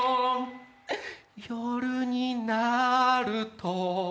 夜になると